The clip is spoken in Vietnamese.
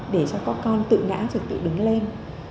để cho các con tự ngã trực tự đứng lên